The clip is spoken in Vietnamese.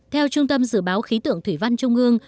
theo trung tâm dự báo khí tượng thủy văn trung ương